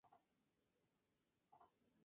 Las ventanas son rectangulares.